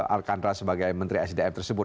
arkandra sebagai menteri sdm tersebut